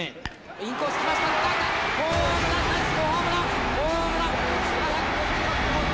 インコース、きました、ホームランです、ホームラン！